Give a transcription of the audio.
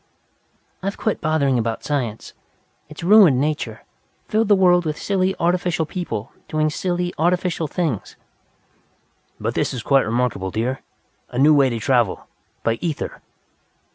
"I've quit bothering about science. It has ruined nature, filled the world with silly, artificial people, doing silly, artificial things." "But this is quite remarkable, dear. A new way to travel by ether!"